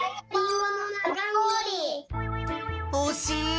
おしい！